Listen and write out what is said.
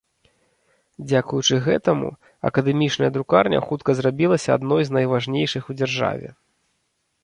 Дзякуючы гэтаму акадэмічная друкарня хутка зрабілася адной з найважнейшых у дзяржаве.